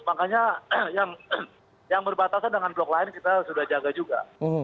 makanya yang berbatasan dengan blok lain kita sudah jaga juga